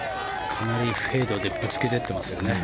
かなりフェードでぶつけていってますね。